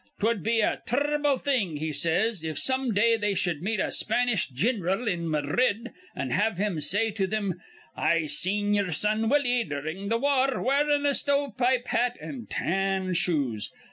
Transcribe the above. ''Twud be a tur r'ble thing,' he says, 'if some day they shud meet a Spanish gin'ral in Mahdrid, an' have him say to thim, "I seen ye'er son Willie durin' th' war wearin' a stovepipe hat an' tan shoes."